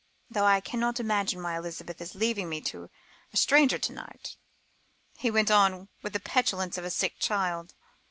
Though I cannot imagine why Elizabeth is leaving me to a stranger to night," he went on, with the petulance of a sick child.